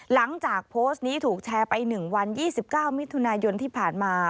หลังจากโพสต์นี้ถูกแชร์ไป๑วัน๒๙มิถุนายนที่ผ่านมา